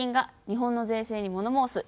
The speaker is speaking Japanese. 日本の税制に物申す」。